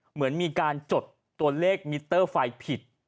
เหมือนมีการจดตัวเลขมิเตอร์ไฟผิด